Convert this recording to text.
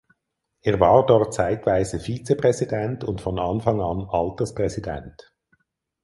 Er war dort zeitweise Vizepräsident und von Anfang an Alterspräsident.